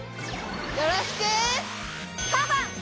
よろしくファンファン！